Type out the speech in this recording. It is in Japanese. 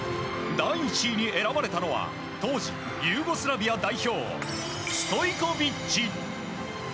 第１位に選ばれたのは当時ユーゴスラビア代表ストイコビッチ。